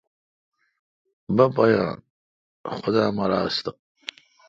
بہ پا یان خدا امر آس تہ۔